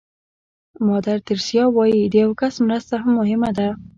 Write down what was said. مادر تریسیا وایي د یو کس مرسته هم مهمه ده.